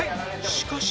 しかし